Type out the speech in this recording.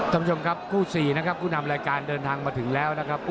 ขุมชมครับกลุ่มครั้งที่๔ลายบริการเดินทางมาถึงแล้วนะครับ